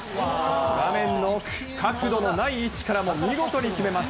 画面の奥、角度のない位置からも見事に決めます。